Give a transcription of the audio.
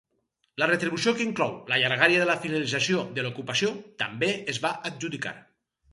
La retribució que inclou la llargària de la finalització de l'ocupació també es va adjudicar.